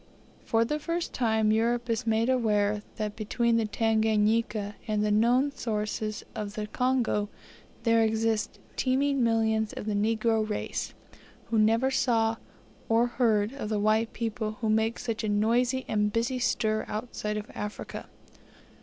For the first time Europe is made aware that between the Tanganika and the known sources of the Congo there exist teeming millions of the negro race, who never saw, or heard of the white people who make such a noisy and busy stir outside of Africa.